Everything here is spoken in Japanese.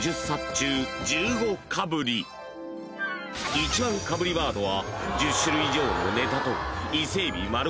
［１番かぶりワードは１０種類以上のネタと伊勢エビ丸ごと